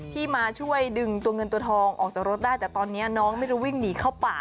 มาช่วยดึงตัวเงินตัวทองออกจากรถได้แต่ตอนนี้น้องไม่รู้วิ่งหนีเข้าป่า